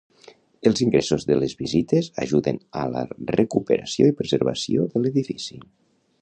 Els ingressos de les visites ajuden a la recuperació i preservació de l'edifici.